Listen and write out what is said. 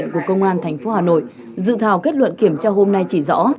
của công an tp hà nội dự thảo kết luận kiểm tra hôm nay chỉ rõ